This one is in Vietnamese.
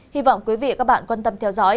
hy vọng quý vị và các bạn quan tâm theo dõi